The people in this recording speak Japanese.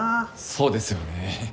そうですよね。